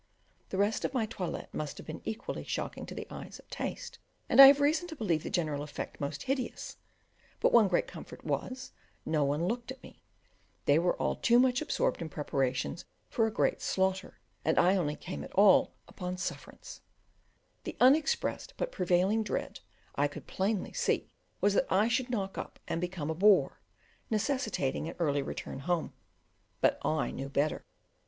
The rest of my toilette must have been equally shocking to the eyes of taste, and I have reason to believe the general effect most hideous; but one great comfort was, no one looked at me, they were all too much absorbed in preparations for a great slaughter, and I only came at all upon sufferance; the unexpressed but prevailing dread, I could plainly see, was that I should knock up and become a bore, necessitating an early return home; but I knew better!